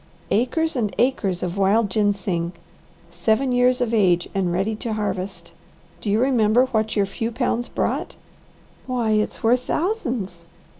"Acres and acres of wild ginseng, seven years of age and ready to harvest. Do you remember what your few pounds brought?" "Why it's worth thousands!"